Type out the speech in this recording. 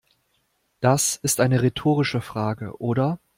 Das ist eine rhetorische Frage, oder?